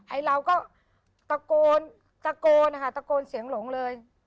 ไอ้เราก็ตะโกนตะโกนนะคะตะโกนเสียงหลงเลย